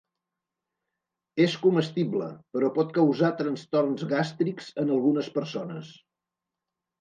És comestible, però pot causar trastorns gàstrics en algunes persones.